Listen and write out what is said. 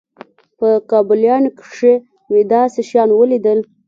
په کابليانو کښې مې داسې شيان وليدل.